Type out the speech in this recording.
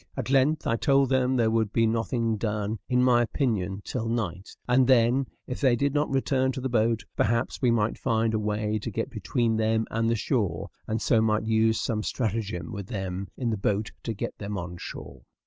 At length I told them there would be nothing done, in my opinion, till night; and then, if they did not return to the boat, perhaps we might find a way to get between them and the shore, and so might use some stratagem with them in the boat to get them on shore.